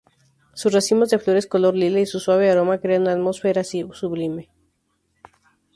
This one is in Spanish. Sus racimos de flores color lila y su suave aroma crean una atmósfera sublime.